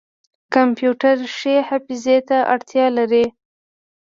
کمپیوټر ښې حافظې ته اړتیا لري.